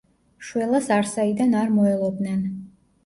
შველას არსაიდან არ მოელოდნენ.